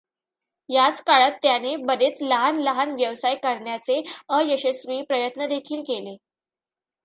याच काळात त्याने बरेच लहान लहान व्यवसाय करण्याचे अयशस्वी प्रयत्नदेखील केले.